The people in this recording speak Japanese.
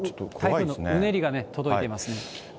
台風のうねりが届いてますね。